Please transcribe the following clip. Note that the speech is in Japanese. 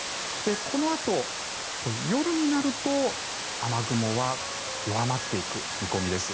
このあと、夜になると雨雲は弱まっていく見込みです。